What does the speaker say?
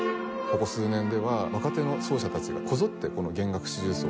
ここ数年では若手の奏者たちがこぞってこの弦楽四重奏を結成し。